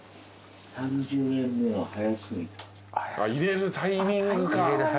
入れるタイミングか。